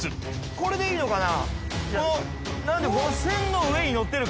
これでいいのかな？